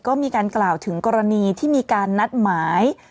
ก็มีการกล่าวถึงกรณีที่มีการนัดหมาย